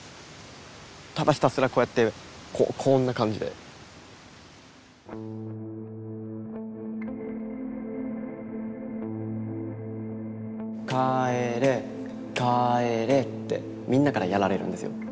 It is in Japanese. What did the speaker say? ただひたすらこうやってこうこんな感じで。ってみんなからやられるんですよ。